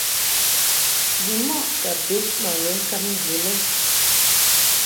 Bimɔʼ ka bed ma ghe ŋkab ŋgə lɛ.